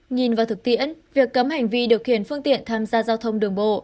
nhìn vào thực tiễn việc cấm hành vi điều khiển phương tiện tham gia giao thông đường bộ